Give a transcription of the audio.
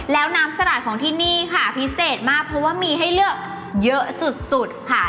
แล้วน้ำสลัดของที่นี่ค่ะพิเศษมากเพราะว่ามีให้เลือกเยอะสุดค่ะ